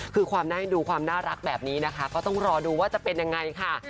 คือความน่าให้ดูความน่ารักแบบนี้นะคะก็ต้องรอดูว่าจะเป็นยังไงค่ะ